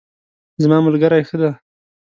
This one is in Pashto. زما ملګری ښه ده